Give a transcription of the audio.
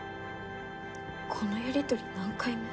このやり取り何回目？